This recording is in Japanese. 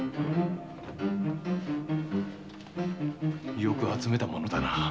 よく集めたものだな。